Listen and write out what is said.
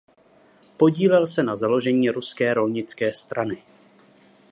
Podílel se na založení Ruské rolnické strany.